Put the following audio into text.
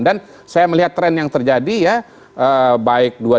dan saya melihat tren yang terjadi ya